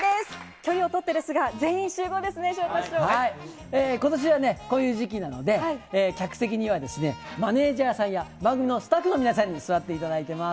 距離を取ってですが、ことしはね、こういう時期なので、客席にはマネジャーさんや番組のスタッフの皆さんに座っていただお願いします。